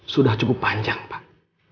sudah cukup panjang pak